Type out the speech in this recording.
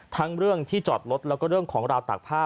ทั้งเรื่องที่จอดรถแล้วก็เรื่องของราวตากผ้า